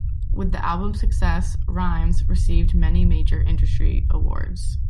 With the album's success, Rimes received many major industry awards.